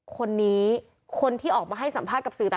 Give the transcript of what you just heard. คนนี้คนที่ออกมาให้สัมภาษณ์กับสื่อต่าง